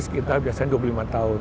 kita biasanya dua puluh lima tahun